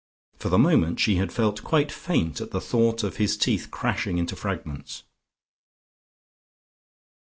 For the moment she had felt quite faint at the thought of his teeth crashing into fragments....